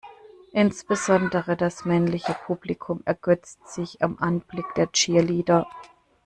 Insbesondere das männliche Publikum ergötzt sich am Anblick der Cheerleader.